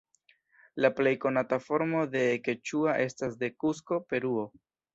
La plej konata formo de keĉua estas de Kusko, Peruo.